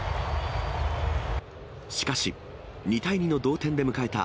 しかし、２対２の同点で迎えた